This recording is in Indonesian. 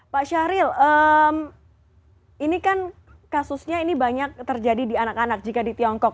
pak syahril ini kan kasusnya ini banyak terjadi di anak anak jika di tiongkok